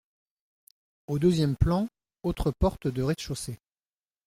Au deuxième plan, autre porte de rez-de-chaussée.